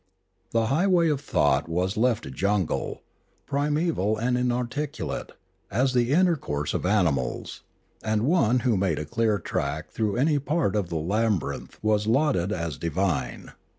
The highway of thought was left a jungle, primeval and inarticulate as the intercourse of animals; and one who made a clear track through any part of the labyrinth was lauded as divine.